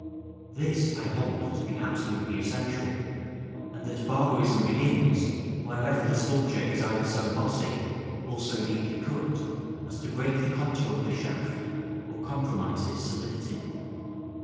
This I hold to be absolutely essential, and that barbarism begins wherever the sculpture is either so bossy, or so deeply cut, as to break the contour of the shaft, or compromise its solidity.